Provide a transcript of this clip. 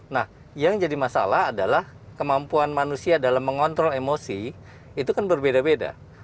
nah yang jadi masalah adalah kemampuan manusia dalam mengontrol emosi itu kan berbeda beda